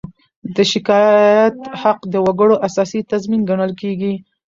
د شکایت حق د وګړو اساسي تضمین ګڼل کېږي.